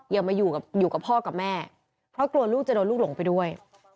อย่ามาอยู่กับพ่อกับแม่เพราะกลัวลูกจะโดนลูกหลงไปด้วย